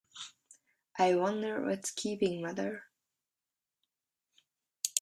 I wonder what's keeping mother?